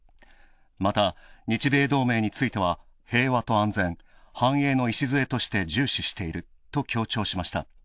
また、日米同盟については平和と安全、繁栄の礎として重視していると強調しました。